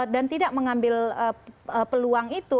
dan tidak mengambil peluang itu